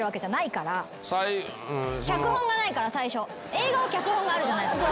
映画は脚本があるじゃないですか。